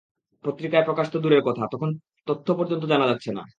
পত্রিকায় প্রকাশ তো দূরের কথা, তখন তথ্য পর্যন্ত জানা যাচ্ছে না।